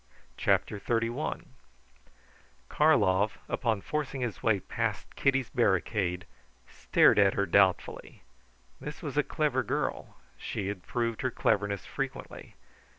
CHAPTER XXXI Karlov, upon forcing his way past Kitty's barricade, stared at her doubtfully. This was a clever girl; she had proved her cleverness frequently.